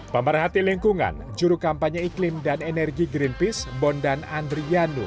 pemerhati lingkungan juru kampanye iklim dan energi greenpeace bondan andrianu